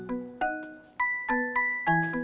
bukan se buat buat video